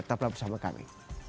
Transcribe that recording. tetap bersama kami